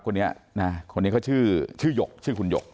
คนนี้ก็ชื่อชื่อหยก